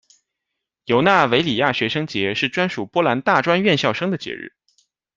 尤维纳里亚学生节是专属波兰大专院校生的节日。